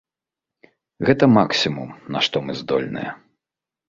Гэта максімум, на што мы здольныя.